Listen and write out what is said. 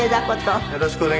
はい。